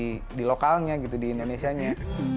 di lokalnya gitu di indonesia nya